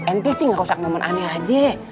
ente sih ngerusak momen aneh aja